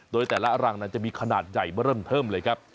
โดยแต่ละรังนั้นจะมีขนาดใหญ่มาเริ่มเทิมเลยครับ